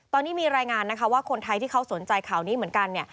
ตอนนี้มีรายงานนะคะว่าคนไทยที่เขาสนใจข่าวนี้เหมือนกันเนี่ย